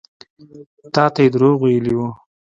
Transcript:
تا ته يې دروغ ويلي وو.